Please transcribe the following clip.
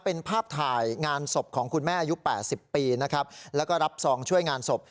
เป็นภาพถ่ายงานศพของคุณแม่อายุ๘๐ปีนะครับแล้วก็รับซองช่วยงานศพ